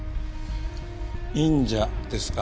「隠者」ですか。